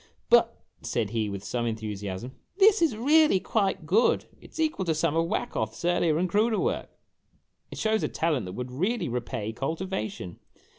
"But," said he, with some enthusiasm, "this is really quite good. It 's equal to some of Wacoth's earlier and cruder work ! It shows a talent that would well repay cultivation